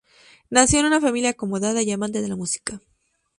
Nació en una familia acomodada y amante de la música.